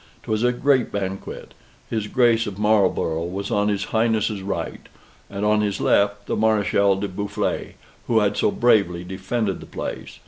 'Twas a great banquet. His Grace of Marlborough was on his Highness's right, and on his left the Mareschal de Boufflers, who had so bravely defended the place.